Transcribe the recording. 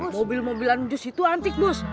mobil mobilan jus itu antik bus